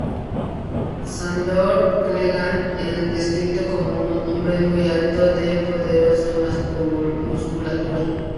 Sandor Clegane es descrito como un hombre muy alto, de poderosa musculatura.